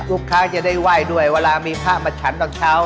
ทุกครั้งจะได้ไหว้ด้วยเวลามีพระมาฉันตอนเช้า